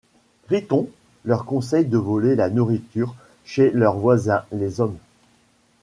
Riton leur conseille de voler la nourriture chez leurs voisins, les hommes.